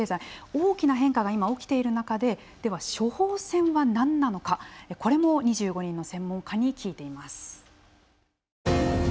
大きな変化が今、起きている中で処方箋は何なのかこれも２５人の専門家に聞いています。